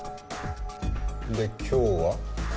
で今日は？